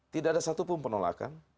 tidak ada satu pun penolakan